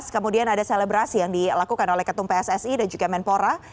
kemudian ada selebrasi yang dilakukan oleh ketum pssi dan juga menpora